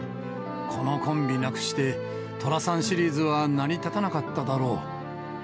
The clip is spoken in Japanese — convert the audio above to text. このコンビなくして、寅さんシリーズは成り立たなかっただろう。